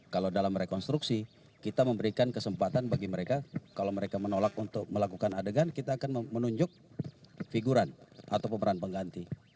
kalau dalam rekonstruksi kita memberikan kesempatan bagi mereka kalau mereka menolak untuk melakukan adegan kita akan menunjuk figuran atau pemeran pengganti